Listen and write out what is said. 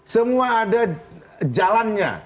semua ada jalannya